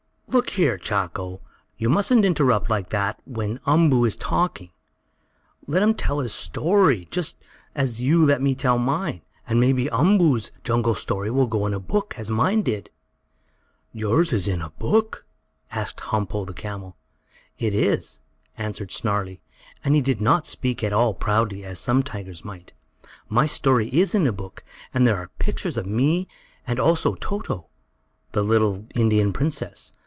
"Look here, Chako! You mustn't interrupt like that when Umboo is talking! Let him tell his story, just as you let me tell mine. And maybe Umboo's jungle story will go in a book, as mine did." "Is yours in a book?" asked Humpo, the camel. "It is," answered Snarlie, and he did not speak at all proudly as some tigers might. "My story is in a book, and there are pictures of me, and also Toto, the little Indian princess.